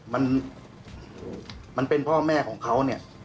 มันมันเป็นพ่อแม่ของเขา